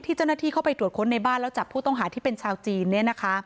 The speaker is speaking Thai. เจ้าหน้าที่เข้าไปตรวจค้นในบ้านแล้วจับผู้ต้องหาที่เป็นชาวจีนเนี่ยนะคะ